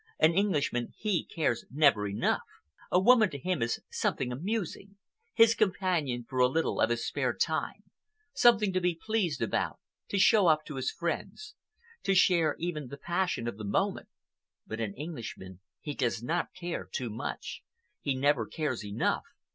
An Englishman, he cares never enough. A woman to him is something amusing,—his companion for a little of his spare time, something to be pleased about, to show off to his friends,—to share, even, the passion of the moment. But an Englishman he does not care too much. He never cares enough.